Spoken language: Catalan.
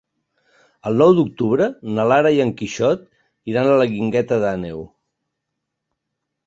El nou d'octubre na Lara i en Quixot iran a la Guingueta d'Àneu.